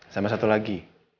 sama satu lagi